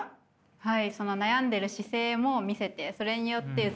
はい。